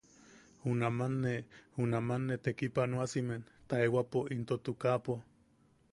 Junaman ne, junaman ne tekipanoasimen taewapo into tukapo.